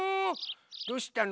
どうしたの？